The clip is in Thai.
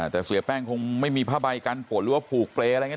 แต่เสียแป้งคงไม่มีผ้าใบกันฝนหรือว่าผูกเปรย์อะไรอย่างนี้